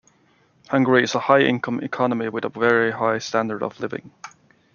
Hungary is a high-income economy with a very high standard of living.